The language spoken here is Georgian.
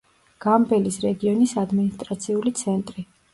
გამბელის რეგიონის ადმინისტრაციული ცენტრი.